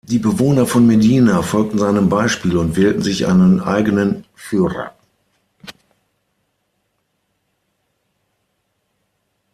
Die Bewohner von Medina folgten seinem Beispiel und wählten sich einen eigenen Führer.